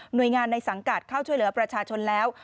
โดยงานในสังกัดเข้าช่วยเหลือประชาชนแล้ว